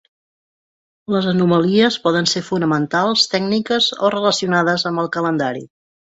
Les anomalies poden ser fonamentals, tècniques o relacionades amb el calendari.